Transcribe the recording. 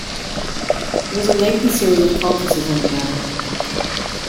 There was a lengthy series of conferences on the matter.